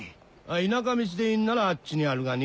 田舎道でいいんならあっちにあるがね。